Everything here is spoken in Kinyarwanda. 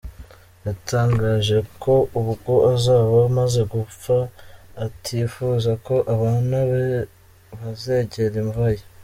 Yatangaje ko ubwo azaba amaze gupfa atifuza ko abana be bazegera imva ye.